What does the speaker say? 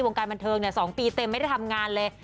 วงการบันเทิง๒ปีเต็มไม่ได้ทำงานเลย